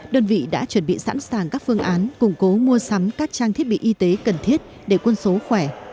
đơn vị đã chuẩn bị sẵn sàng các phương án củng cố mua sắm các trang thiết bị y tế cần thiết để quân số khỏe